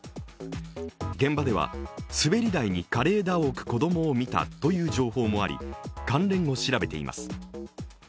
現場では、滑り台に枯れ枝を置く子供を見たという情報もあり、関連を調べています。